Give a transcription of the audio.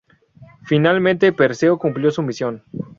Finalmente Perseo cumplió su misión.